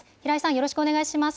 よろしくお願いします。